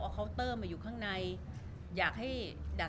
รูปนั้นผมก็เป็นคนถ่ายเองเคลียร์กับเรา